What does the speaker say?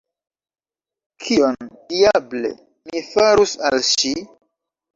Kion, diable, mi farus al ŝi?